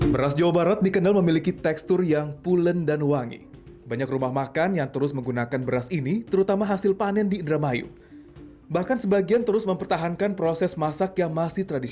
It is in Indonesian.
beras jawa barat